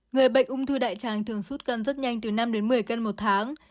người bệnh ung thư đại trang thường xuất cân rất nhanh từ năm đến một mươi cân một tháng